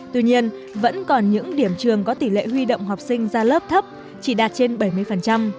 tuy nhiên vẫn còn những điểm trường có tỷ lệ huy động học sinh ra lớp thấp chỉ đạt trên bảy mươi